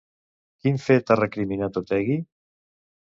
Quin fet ha recriminat Otegi?